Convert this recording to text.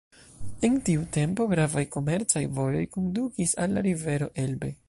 En tiu tempo gravaj komercaj vojoj kondukis al la rivero Elbe.